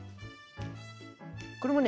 これもね